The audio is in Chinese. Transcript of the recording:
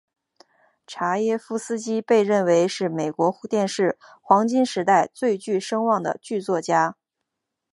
查耶夫斯基被认为是美国电视黄金时代最具声望的剧作家。